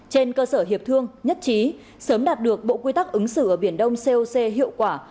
trên cơ sở hiệp thương nhất trí sớm đạt được bộ quy tắc ứng xử ở biển đông coc hiệu quả